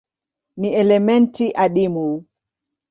Ni elementi adimu.